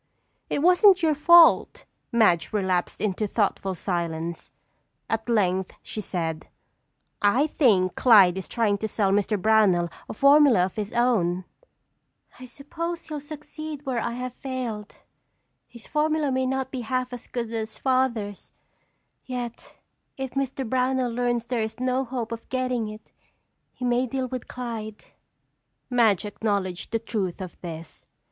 "It wasn't your fault." Madge relapsed into thoughtful silence. At length she said: "I think Clyde is trying to sell Mr. Brownell a formula of his own." "I suppose he'll succeed where I have failed. His formula may not be half as good as Father's, yet if Mr. Brownell learns there is no hope of getting it he may deal with Clyde." Madge acknowledged the truth of this.